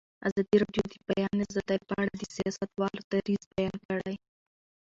ازادي راډیو د د بیان آزادي په اړه د سیاستوالو دریځ بیان کړی.